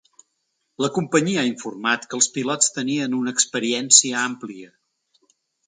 La companyia ha informat que els pilots tenien una experiència àmplia.